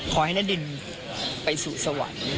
ขอให้นดินไปสู่สวรรค์